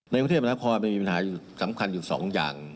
ในประเทศประทับคอมันมีปัญหาสำคัญอยู่สองอย่าง